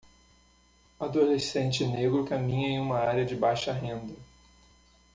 Adolescente negro caminha em uma área de baixa renda.